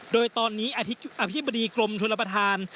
โดยตอนนี้อธิบดีกรมชนประธาน